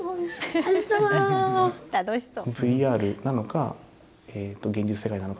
楽しそう。